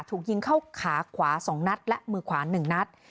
ถูกยิงเข้าขาขวาสองนัดและมือขวานหนึ่งนัด